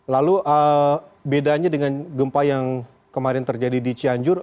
lalu bedanya dengan gempa yang kemarin terjadi di cianjur